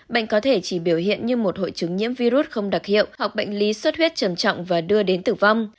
bệnh có thể chỉ biểu hiện như một hội chứng nhiễm virus không đặc hiệu hoặc bệnh lý suốt huyết trầm trọng và đưa đến tử vong